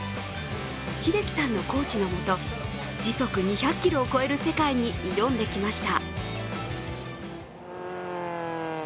英樹さんのコーチのもと時速２００キロを超える世界に挑んできました。